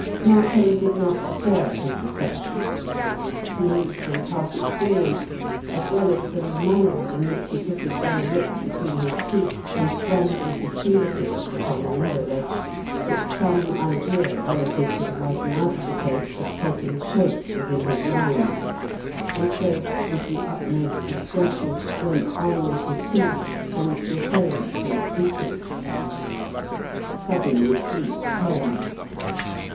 Narkom did not disturb his reflections. He knew from past experience, as well as from the manner in which he took his lower lip between his teeth and drummed with his finger tips upon the window ledge, that some idea relative to the working out of the case had taken shape within his mind, and so, with the utmost discretion, went on with his tea and refrained from speaking. Suddenly Cleek turned.